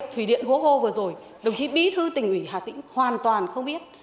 thủy điện hố hô vừa rồi đồng chí bí thư tỉnh ủy hà tĩnh hoàn toàn không biết